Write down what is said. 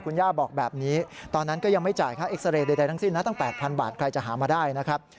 คุณย่าบอกแบบนี้ตอนนั้นก็ยังไม่จ่ายค่าเอ็กซาเรย์ใดทั้งสิ้นนะตั้ง๘๐๐บาทใครจะหามาได้นะครับ